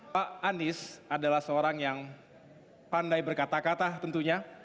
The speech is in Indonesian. pak anies adalah seorang yang pandai berkata kata tentunya